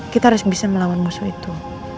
kita harus bisa melawan musuh itu